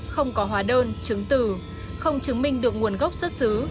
không có hóa đơn chứng từ không chứng minh được nguồn gốc xuất xứ